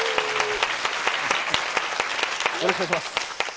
よろしくお願いします。